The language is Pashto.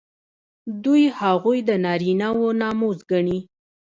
دوی هغوی د نارینه وو ناموس ګڼي.